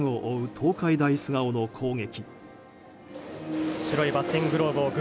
東海大菅生の攻撃。